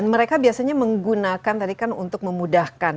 mereka biasanya menggunakan tadi kan untuk memudahkan